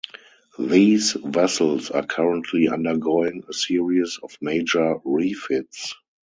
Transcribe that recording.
These vessels are currently undergoing a series of major refits.